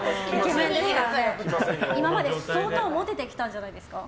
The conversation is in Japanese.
今まで相当モテてきたんじゃないですか。